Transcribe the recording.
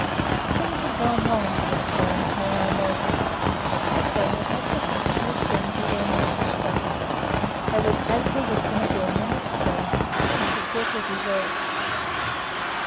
Things had gone wrong for that day, Ole acknowledged; but Crookhorn was not to think that she had seen the end of the struggle. They would take her with them again the next day. She should get her deserts.